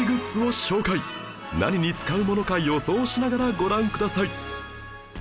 何に使うものか予想しながらご覧ください